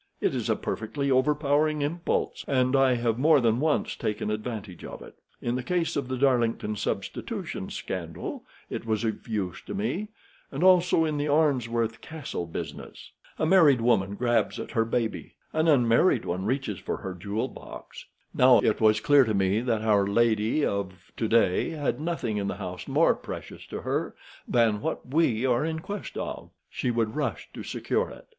It is a perfectly overpowering impulse, and I have more than once taken advantage of it. In the case of the Darlington Substitution Scandal it was of use to me, and also in the Arnsworth Castle business. A married woman grabs at her baby—an unmarried one reaches for her jewel box. Now it was clear to me that our lady of to day had nothing in the house more precious to her than what we are in quest of. She would rush to secure it.